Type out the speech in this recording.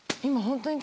今。